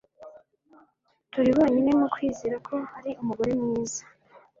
Turi bonyine mu kwizera ko ari umugore mwiza